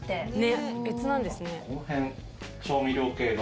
この辺調味料系が。